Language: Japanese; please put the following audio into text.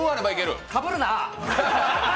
かぶるな。